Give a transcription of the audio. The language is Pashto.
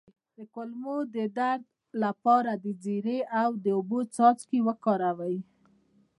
د کولمو د درد لپاره د زیرې او اوبو څاڅکي وکاروئ